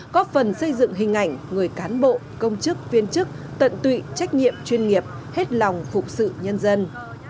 góp phần xây dựng hình ảnh người cán bộ công chức viên chức tận tụy trách nhiệm chuyên nghiệp hết lòng phục sự nhân dân